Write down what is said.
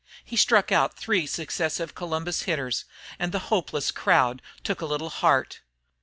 He struck out three successive Columbus hitters and the hopeless crowd took a little heart.